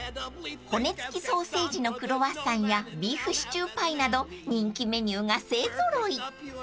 ［骨付きソーセージのクロワッサンやビーフシチューパイなど人気メニューが勢揃い］